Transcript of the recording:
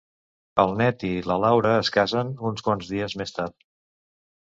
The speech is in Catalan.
El Ned i la Laura es casen uns quants dies més tard.